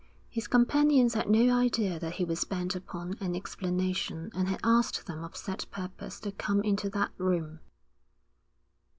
His companions had no idea that he was bent upon an explanation and had asked them of set purpose to come into that room.